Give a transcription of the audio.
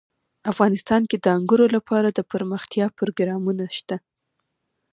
افغانستان کې د انګور لپاره دپرمختیا پروګرامونه شته.